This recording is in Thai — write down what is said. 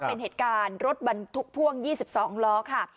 เป็นเหตุการณ์รถบรรทุกพ่วง๒๒ล้อค่ะ